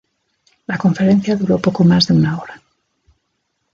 La conferencia duró poco más de una hora.